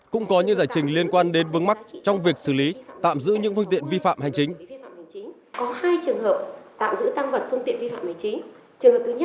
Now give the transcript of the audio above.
cũng có những giải trình liên quan đến vấn mắc trong việc xử lý tạm giữ những phương tiện vi phạm hành chính